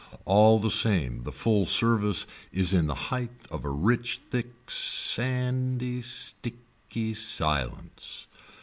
All the same the full service is in the height of a rich thick sandy sticky silence.